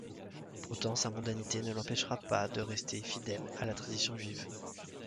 Pourtant sa mondanité ne l'empêchera pas de rester fidèle à la tradition juive.